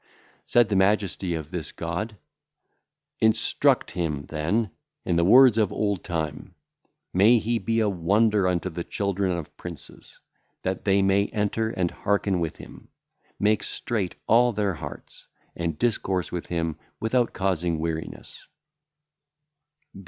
Said the Majesty of this God: 'Instruct him, then, in the words of old time; may he be a wonder unto the children of princes, that they may enter and hearken with him. Make straight all their hearts; and discourse with him, without causing weariness.'